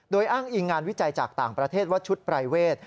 โดยอ้างอิงงานวิจัยจากต่างประเทศว่าชุดปรายเวท